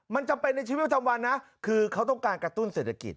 มันจำเป็นในชีวิตประจำวันนะคือเขาต้องการกระตุ้นเศรษฐกิจ